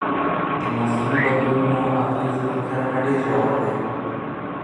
د موسمي بدلونونو اغېز پر کرنه ډېر ژور دی.